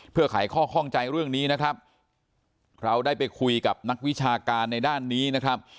เพื่อขายข้อข้องใจเรื่องนี้นะครับเราได้ไปคุยกับนักวิชาการในด้านนี้นะครับ